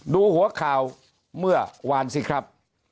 ดูหัวข่าวเมื่อวานสิครับ